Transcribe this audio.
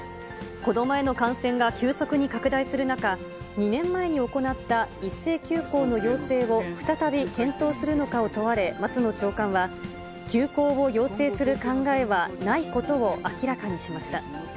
子どもへの感染が急速に拡大する中、２年前に行った一斉休校の要請を再び検討するのかを問われ、松野長官は、休校を要請する考えはないことを明らかにしました。